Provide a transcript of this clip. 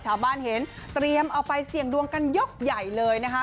ชาวบ้านเห็นเตรียมเอาไปเสี่ยงดวงกันยกใหญ่เลยนะคะ